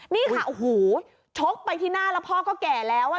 นี่ค่ะโอ้โหชกไปที่หน้าแล้วพ่อก็แก่แล้ว